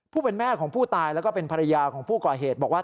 เป็นแม่ของผู้ตายแล้วก็เป็นภรรยาของผู้ก่อเหตุบอกว่า